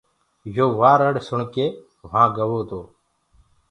يو وآ رڙ سُڻڪي وهآنٚ گوو تو